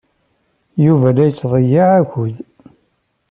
Yuba la yettḍeyyiɛ akud.